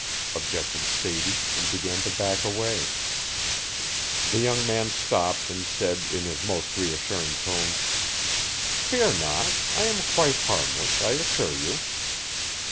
objected Sadie, and began to back away. The young man stopped and said in his most reassuring tones: "Fear not I am quite harmless, I assure you.